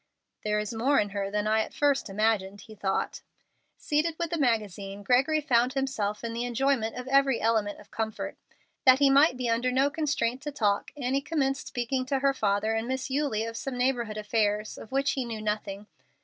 "There is more in her than I at first imagined," he thought. Seated with the magazine, Gregory found himself in the enjoyment of every element of comfort. That he might be under no constraint to talk, Annie commenced speaking to her father and Miss Eulie of some neighborhood affairs, of which he knew nothing.